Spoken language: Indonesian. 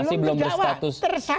masih belum berstatus